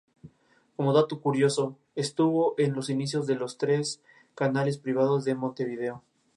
Sin embargo, la formación de ciclones tropicales son posibles en cualquier tiempo.